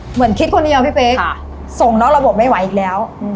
เหมือนคิดคนเดียวพี่เป๊กส่งนอกระบบไม่ไหวอีกแล้ว